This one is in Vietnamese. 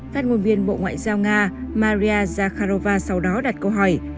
phát ngôn viên bộ ngoại giao nga maria zakharova sau đó đặt câu hỏi